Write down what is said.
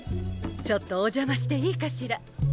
ちょっとお邪魔していいかしら？